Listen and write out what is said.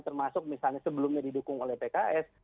termasuk misalnya sebelumnya didukung oleh pks